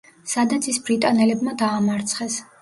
სადაც ის ბრიტანელებმა დაამარცხეს.